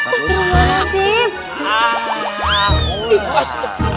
ah bagus banget ya guys